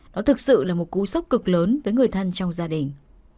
nó thực sự là một cú sốc cực lớn với người thân trong gia đình